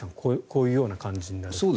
こういうような感じになると。